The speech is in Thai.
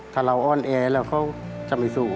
ถ้าเราอ้อนแอแล้วเขาจะไม่สู้